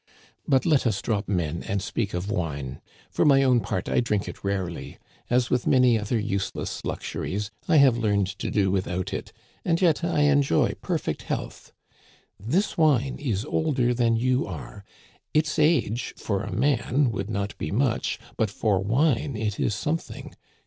But let us drop men and speak of wine. For my own part, I drink it rarely. As with many other useless luxuries, I have learned to do without it, and yet I enjoy perfect health. This wine is older than you are ; its age, for a man, would not be much, but for wine it is something.